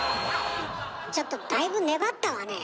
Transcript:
ちょっとだいぶ粘ったわねえ。